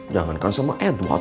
jangankan sama edward